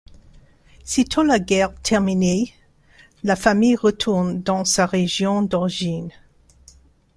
Sitôt la guerre terminée, la famille retourne dans sa région d'origine.